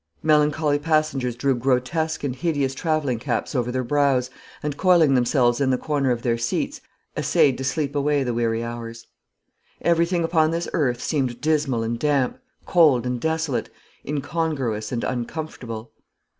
Melancholy passengers drew grotesque and hideous travelling caps over their brows, and, coiling themselves in the corner of their seats, essayed to sleep away the weary hours. Everything upon this earth seemed dismal and damp, cold and desolate, incongruous and uncomfortable.